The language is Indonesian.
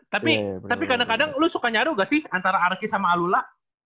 tapi tapi kadang kadang lu suka nyaru gak sih antara arki sama alula